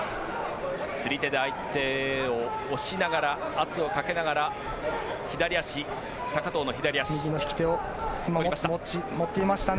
釣り手で相手を押しながら圧をかけながら高藤の左足。右の引き手を持ちましたね。